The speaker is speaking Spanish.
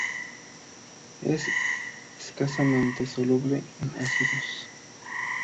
Es escasamente soluble en ácidos.